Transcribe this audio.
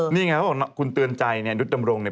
นี่ไงเขาบอกคุณเตือนใจเนี่ยนุษดำรงเนี่ย